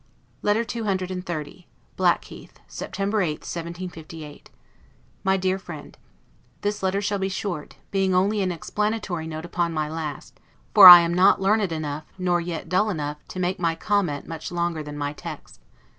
LETTER CCXXX BLACKHEATH, September 8, 1758. MY DEAR FRIEND: This letter shall be short, being only an explanatory note upon my last; for I am not learned enough, nor yet dull enough, to make my comment much longer than my text.